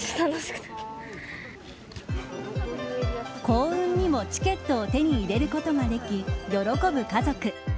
幸運にもチケットを手に入れることができ喜ぶ家族。